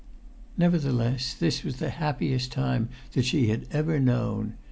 Nevertheless, this was the happiest time that she had ever known.